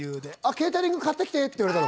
ケータリング買って来てって言われたの。